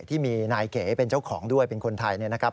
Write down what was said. ที่มีนายเก๋เป็นเจ้าของด้วยเป็นคนไทยนะครับ